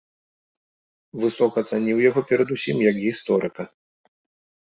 Высока цаніў яго перад усім як гісторыка.